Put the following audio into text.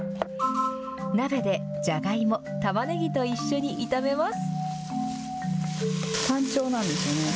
鍋でじゃがいも、たまねぎと一緒に炒めます。